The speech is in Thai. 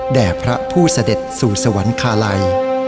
แด่พระผู้เสด็จสู่สวรรคาลัย